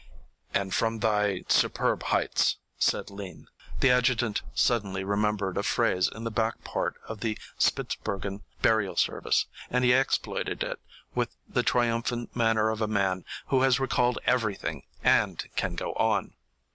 "And from Thy superb heights," said Lean. The adjutant suddenly remembered a phrase in the back part of the Spitzbergen burial service, and he exploited it with the triumphant manner of a man who has recalled everything, and can go on.